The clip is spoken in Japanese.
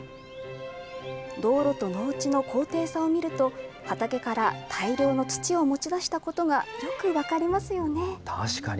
道路と農地の高低差を見ると、畑から大量の土を持ち出したこと確かに。